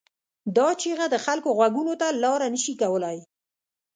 دا چیغه د خلکو غوږونو ته لاره نه شي کولای.